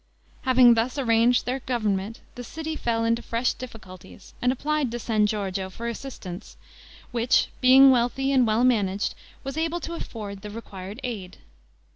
Having thus arranged their government, the city fell into fresh difficulties, and applied to San Giorgio for assistance, which, being wealthy and well managed, was able to afford the required aid.